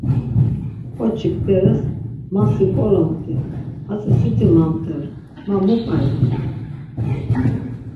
Ǩoçik beres, ma si ǩoromt̆i. Hatzi siti mamt̆er, ma mu p̌are? ya.